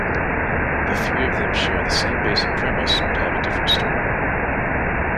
The three of them share the same basic premise but have a different story.